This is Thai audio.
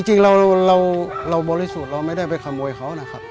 จริงเราบริสุทธิ์เราไม่ได้ไปขโมยเขานะครับ